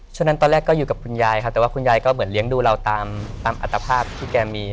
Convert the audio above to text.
ช่วงนั้นตอนแรกก็อยู่กับคุณยายครับแต่ว่าคุณยายก็เหมือนเลี้ยงดูเราตามอัตภาพที่แกมี